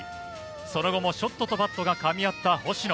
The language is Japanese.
その後もショットとパットがかみ合った星野。